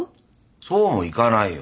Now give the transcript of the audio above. そうもいかないよ。